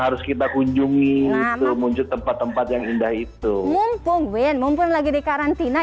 harus kita kunjungi itu muncul tempat tempat yang indah itu mumpung win mumpung lagi di karantina